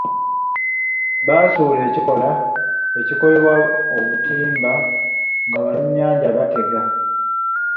Basuula ky’ekikolwa ekikolebwa obutimba nga abalunnyanja batega.